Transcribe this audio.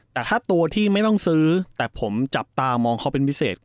แต่ถ้าตัวที่ไม่ต้องซื้อแต่ผมจับตามองเขาเป็นพิเศษ